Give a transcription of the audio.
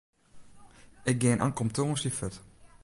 Ik gean ankom tongersdei fuort.